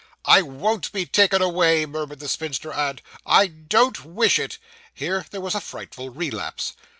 'I won't be taken away,' murmured the spinster aunt. 'I don't wish it.' (Here there was a frightful relapse.)